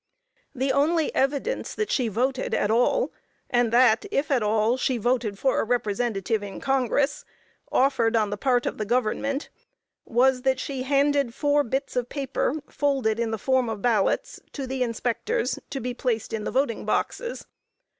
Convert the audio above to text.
The only evidence that she voted at all, and that, if at all, she voted for a representative in Congress, offered on the part of the government, was, that she handed four bits of paper, folded in the form of ballots, to the inspectors, to be placed in the voting boxes.